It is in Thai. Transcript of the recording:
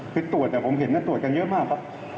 คือตรวจผมเห็นตรวจกันเยอะมากครับ